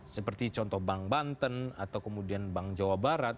seperti contoh bank banten atau kemudian bank jawa barat